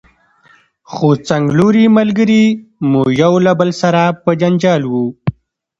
خو څنګلوري ملګري مو یو له بل سره په جنجال وو.